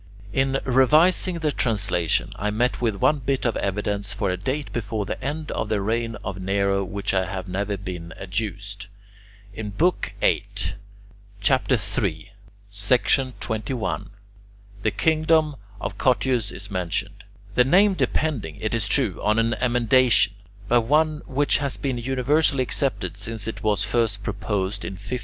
In revising the translation, I met with one bit of evidence for a date before the end of the reign of Nero which I have never seen adduced. In viii, 3, 21, the kingdom of Cottius is mentioned, the name depending, it is true, on an emendation, but one which has been universally accepted since it was first proposed in 1513.